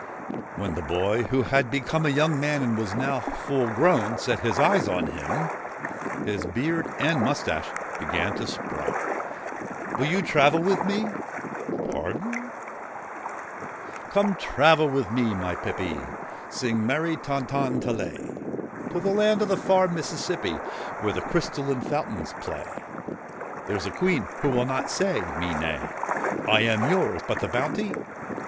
When the boy, who had become a young man and was now full grown, set his eyes on him, his beard and moustache began to sprout. ' Will you travel with me ?'' Pardon ?'' Come, travel with me, my pippy. (Sing merry ton ton ta lay.} To the land of the far Mississippi Where the crystalline fountains play ; There 's a Queen who will not say me nay.' ' I am yours ! But the bounty